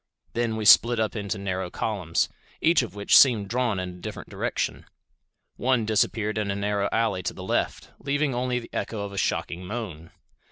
Then we split up into narrow columns, each of which seemed drawn in a different direction. One disappeared in a narrow alley to the left, leaving only the echo of a shocking moan.